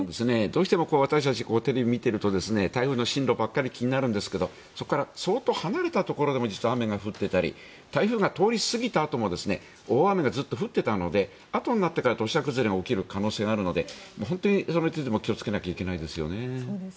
どうしても私たちテレビを見ていると台風の進路ばっかり気になるんですけどそこから相当離れたところでも実は雨が降っていたり台風が通り過ぎたあとも雨がずっと降ってたのであとになってから土砂崩れが起きる可能性があるので本当に気をつけなければいけないですよね。